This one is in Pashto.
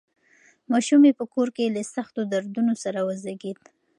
ماشوم یې په کور کې له سختو دردونو سره وزېږېد.